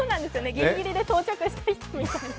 ギリギリで到着した人みたい。